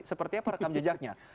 seperti apa rekam jejaknya